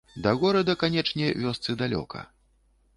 Да горада, канечне, вёсцы далёка.